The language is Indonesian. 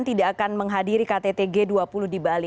tidak akan menghadiri kttg dua puluh di bali